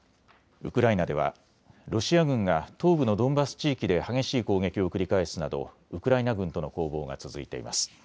ウクライナではロシア軍が東部のドンバス地域で激しい攻撃を繰り返すなどウクライナ軍との攻防が続いています。